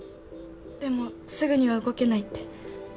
でもすぐには動けないって。